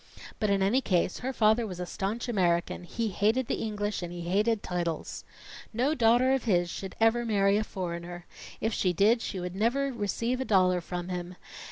But in any case, her father was a staunch American; he hated the English and he hated titles. No daughter of his should ever marry a foreigner. If she did, she would never receive a dollar from him.